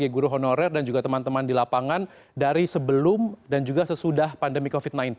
guru honorer dan juga teman teman di lapangan dari sebelum dan juga sesudah pandemi covid sembilan belas